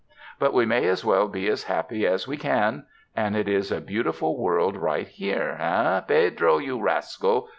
But we may as well be as happy as we can — and it is a beautiful world right here, eh, Pedro, you rascal!"